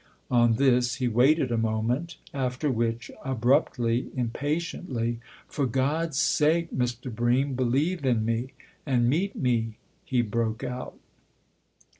On this he waited a moment ; after which, abruptly, impatiently, " For God's sake, Mr. Bream, believe in me and meet me !" he broke out.